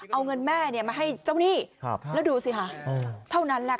เอาเงินแม่มาให้เจ้าหนี้แล้วดูสิค่ะเท่านั้นแหละค่ะ